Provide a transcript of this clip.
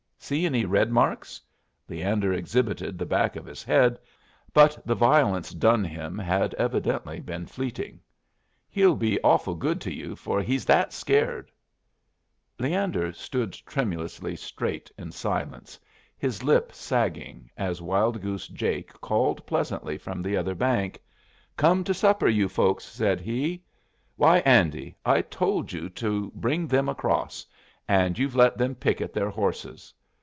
See any red marks?" Leander exhibited the back of his head, but the violence done him had evidently been fleeting. "He'll be awful good to you, for he's that scared " Leander stood tremulously straight in silence, his lip sagging, as Wild Goose Jake called pleasantly from the other bank. "Come to supper, you folks," said he. "Why, Andy, I told you to bring them across, and you've let them picket their horses.